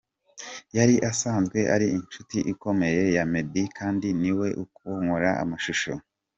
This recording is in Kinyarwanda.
Yari asanzwe ari inshuti ikomeye ya Meddy kandi ni we unkorera amashusho.